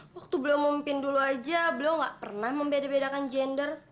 waktu beliau memimpin dulu aja beliau gak pernah membeda bedakan gender